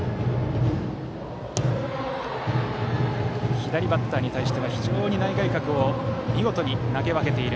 左バッターに対しては、非常に内外角を見事に投げ分けている。